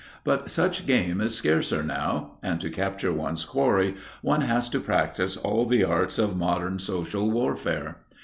But such game is scarcer now, and to capture one's quarry one has to practice all the arts of modern social warfare.